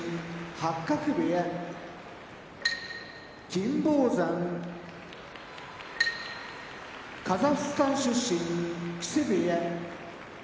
金峰山カザフスタン出身木瀬部屋